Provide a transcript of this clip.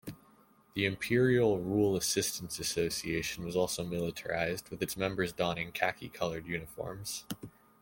The Imperial Rule Assistance Association was also militarized, with its members donning khaki-colored uniforms.